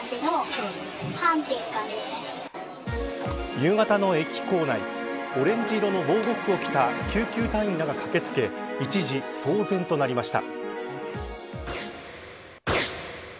夕方の駅構内オレンジ色の防護服を着た救急隊員らが駆け付け一時、騒然となりました。